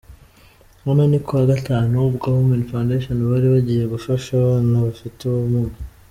Hano ni kuwa Gatanu ubwo Women Foundation bari bagiye gufasha abana bafite ubumuga.